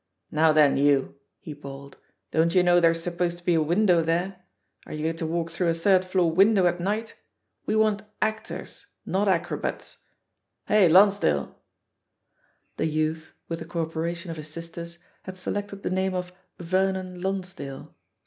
"Now then, you I" he bawled, "don't you know there's supposed to be a window there? Are you going to walk through a third floor window at night? We want actors, not acrobats. Hi, Lonsdale I" The youth, with the co operation of his sisters, had selected the name of "Vernon Lonsdale."